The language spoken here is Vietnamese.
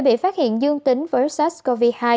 bị phát hiện dương tính với sars cov hai